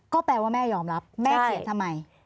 แม่เขียนทำไม